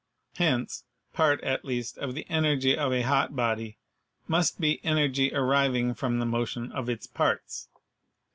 Hence, part at least of the energy of a hot body must be energy arriving from the motion of its parts.